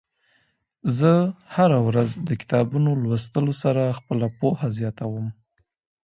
زه هره ورځ د کتابونو لوستلو سره خپله پوهه زياتوم.